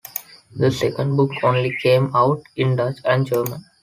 The second book only came out in Dutch and German.